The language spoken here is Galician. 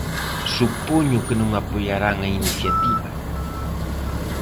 Supoño que non apoiarán a iniciativa.